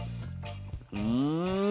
うん。